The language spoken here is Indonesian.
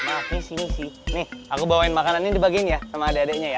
maaf ini sini sih nih aku bawain makanan ini dibagiin ya sama ade adenya ya